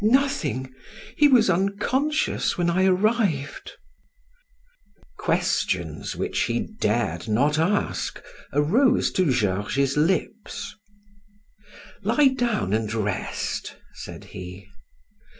"Nothing. He was unconscious when I arrived." Questions which he dared not ask arose to Georges' lips. "Lie down and rest," said he.